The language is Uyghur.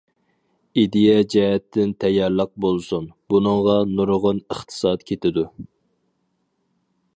ئىدىيە جەھەتتىن تەييارلىق بولسۇن بۇنىڭغا نۇرغۇن ئىقتىساد كېتىدۇ.